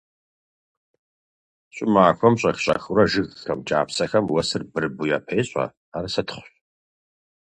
Щӏымахуэм щӏэх-щӏэхыурэ жыгхэм, кӏапсэхэм уэсыр бырыбу япещӏэ, ар сытхъущ.